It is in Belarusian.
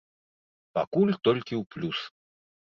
Пакуль толькі ў плюс.